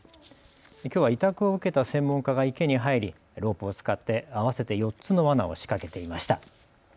きょうは委託を受けた専門家が池に入りロープを使って合わせて４つのわなを仕掛けていました。